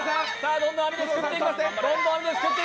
どんどん網ですくっていきます。